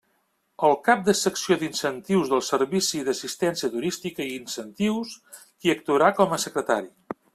El cap de la Secció d'Incentius del Servici d'Assistència Turística i Incentius, qui actuarà com a secretari.